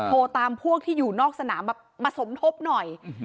โทรตามพวกที่อยู่นอกสนามมาสมทบหน่อย